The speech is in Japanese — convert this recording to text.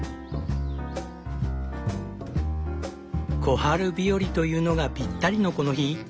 小春日和というのがぴったりのこの日。